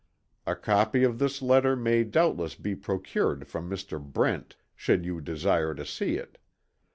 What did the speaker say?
A copy of this letter may doubtless be procured from Mr. Brent, should you desire to see it.